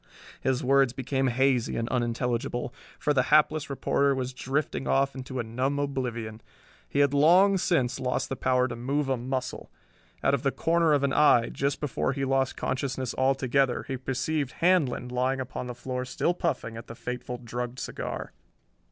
His words became hazy and unintelligible, for the hapless reporter was drifting off into a numb oblivion. He had long since lost the power to move a muscle. Out of the corner of an eye, just before he lost consciousness altogether, he perceived Handlon lying upon the floor still puffing at the fateful drugged cigar.